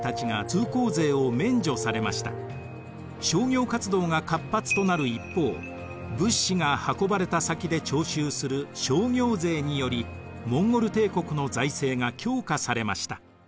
商業活動が活発となる一方物資が運ばれた先で徴収する商業税によりモンゴル帝国の財政が強化されました。